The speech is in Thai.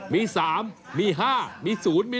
มี๓มี๕มี๐มี